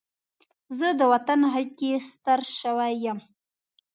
زه د وطن غېږ کې ستر شوی یم